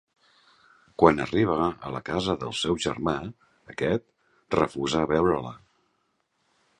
Quan arriba a la casa del seu germà, aquest, refusa veure-la.